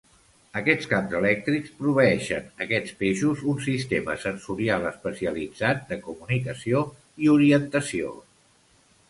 Aquests camps elèctrics proveeixen aquests peixos un sistema sensorial especialitzat de comunicació i orientació.